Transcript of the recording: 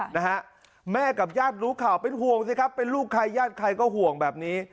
นะฮะแม่กับญาติรู้ข่าวเป็นห่วงสิครับเป็นลูกใครญาติใครก็ห่วงแบบนี้